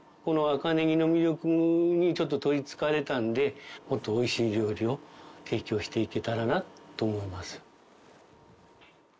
この赤ネギの魅力に取りつかれたのでもっとおいしい料理を提供していけたらなと思います。